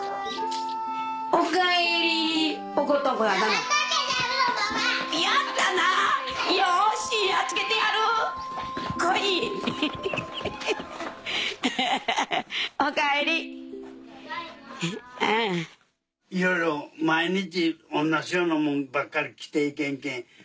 いろいろ毎日同じようなもんばっかり着て行けんけん。